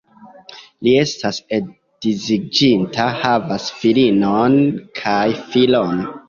Li estas edziĝinta, havas filinon kaj filon.